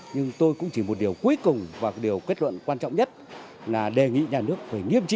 nhưng tôi cũng chỉ một điều cuối cùng và điều kết luận quan trọng nhất là đề nghị nhà nước phải nghiêm trị